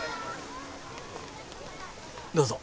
どうぞ。